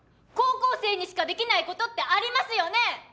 高校生にしかできないことってありますよね！？